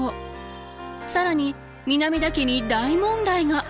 更に南田家に大問題が！